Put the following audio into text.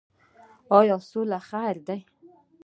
آیا سوله خیر ده؟